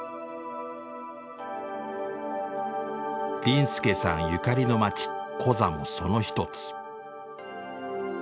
林助さんゆかりの街コザもその一つ。